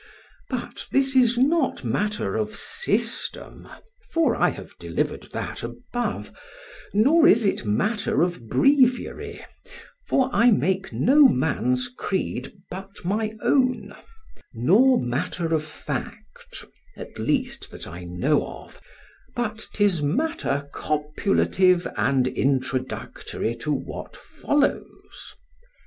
But this is not matter of SYSTEM; for I have delivered that above——nor is it matter of BREVIARY——for I make no man's creed but my own——nor matter of FACT——at least that I know of; but 'tis matter copulative and introductory to what follows.